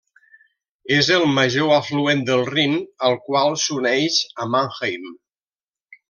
És el major afluent del Rin, al qual s'uneix a Mannheim.